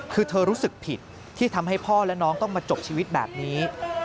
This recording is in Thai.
คือเธอรู้สึกผิดที่ทำให้พ่อและน้องต้องมาจบชีวิตแบบนี้